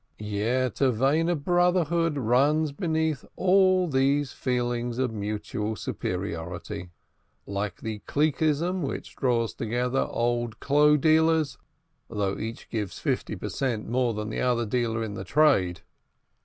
Yet a vein of brotherhood runs beneath all these feelings of mutual superiority; like the cliqueism which draws together old clo' dealers, though each gives fifty per cent, more than any other dealer in the trade.